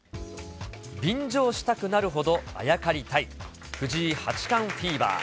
便乗したくなるほどあやかりたい藤井八冠フィーバー。